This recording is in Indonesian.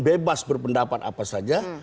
bebas berpendapat apa saja